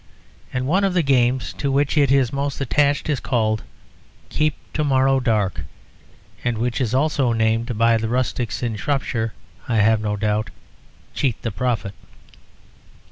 And one of the games to which it is most attached is called "Keep to morrow dark," and which is also named (by the rustics in Shropshire, I have no doubt) "Cheat the Prophet."